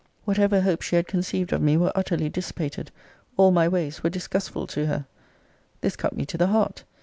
Whatever hopes she had conceived of me were utterly dissipated: all my ways were disgustful to her. This cut me to the heart.